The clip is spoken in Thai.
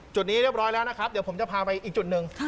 จุดนี้เรียบร้อยแล้วนะครับเดี๋ยวผมจะพาไปอีกจุดหนึ่ง